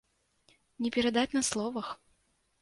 Не перадаць на словах!